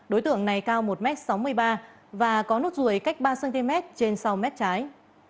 đối tượng này cao một m sáu mươi ba và có nốt ruồi cách ba cm trên sau mép trái